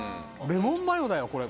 レモンマヨだよこれ。